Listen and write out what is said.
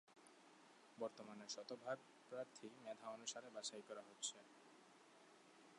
বর্তমানে শতভাগ প্রার্থী মেধা অনুসারে বাছাই করা হচ্ছে।